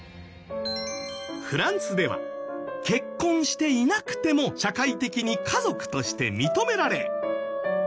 フランスでは結婚していなくても社会的に家族として認められ。